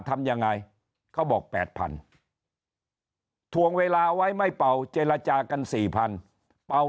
ทำยังไงเขาบอก๘๐๐ทวงเวลาไว้ไม่เป่าเจรจากัน๔๐๐เป่า